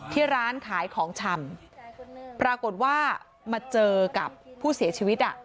ที่ร้านขายของชำปรากฏว่ามาเจอกับผู้เสียชีวิตอ่ะ